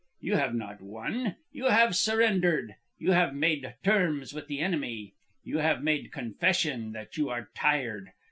You have not won. You have surrendered. You have made terms with the enemy. You have made confession that you are tired.